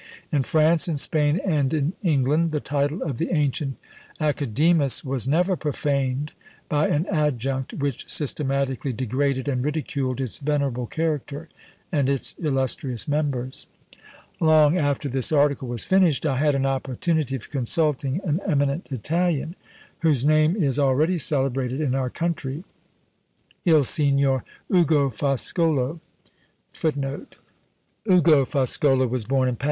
In France, in Spain, and in England, the title of the ancient Academus was never profaned by an adjunct which systematically degraded and ridiculed its venerable character and its illustrious members. Long after this article was finished, I had an opportunity of consulting an eminent Italian, whose name is already celebrated in our country, Il Sigr.